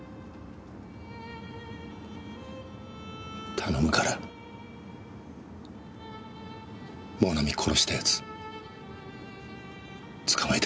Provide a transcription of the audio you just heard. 頼むからもなみ殺した奴捕まえてくれ。